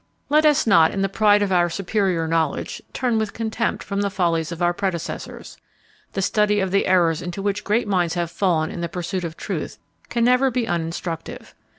Let us not, in the pride of our superior knowledge, turn with contempt from the follies of our predecessors. The study of the errors into which great minds have fallen in the pursuit of truth can never be uninstructive.